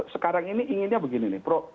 sekarang ini inginnya begini nih prof